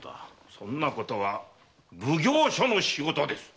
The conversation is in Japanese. そんなことは奉行所の仕事です。